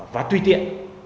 và tùy tiện